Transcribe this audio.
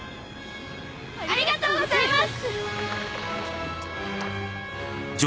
ありがとうございます。